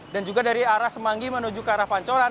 dan juga dari arah semanggi menuju ke arah pancoran